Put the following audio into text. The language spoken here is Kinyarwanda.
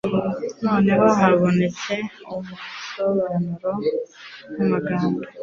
Noneho habonetse ubusobanuro bw'amagambo